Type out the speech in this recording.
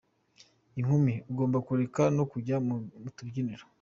Inkumi : Ugomba kureka no kujya mu tubyiniro.